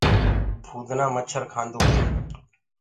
ڀِمڀڻي مڇر کآندي هي۔